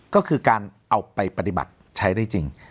ก็คือการเอาไปปฏิบัติใช้ได้จริง